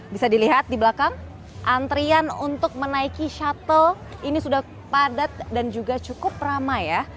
bisa dilihat di belakang antrian untuk menaiki shuttle ini sudah padat dan juga cukup ramai ya